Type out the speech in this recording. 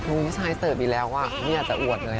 อุ้ยชายเสิร์ฟอีกแล้วก็ไม่จะอวดเลย